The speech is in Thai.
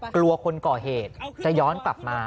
กลัวคนก่อเหตุจะย้อนกลับมา